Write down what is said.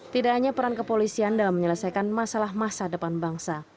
tidak hanya peran kepolisian dalam menyelesaikan masalah masa depan bangsa